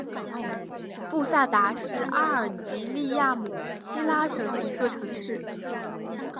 布萨达是阿尔及利亚姆西拉省的一座城市。